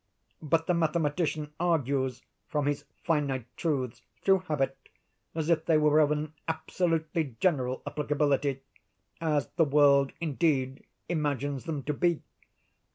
But the mathematician argues, from his finite truths, through habit, as if they were of an absolutely general applicability—as the world indeed imagines them to be.